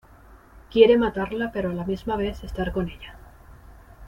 Quiere matarla pero a la misma vez estar con ella.